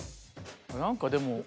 何かでも。